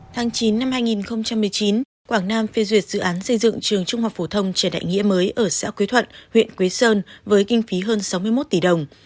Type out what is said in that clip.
tháng chín năm hai nghìn một mươi chín quảng nam phê duyệt dự án xây dựng trường trung học phổ thông trần đại nghĩa mới ở xã quế thuận huyện quế sơn với kinh phí hơn sáu mươi một tỷ đồng